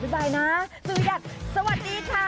บ๊ายบายนะสวัสดีค่ะ